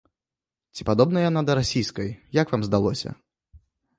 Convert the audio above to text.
Ці падобна яна да расійскай, як вам здалося?